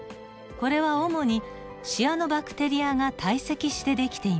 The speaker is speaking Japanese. これは主にシアノバクテリアが堆積して出来ています。